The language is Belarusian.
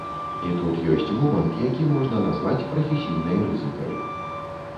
І тут ёсць момант, які можна назваць прафесійнай рызыкай.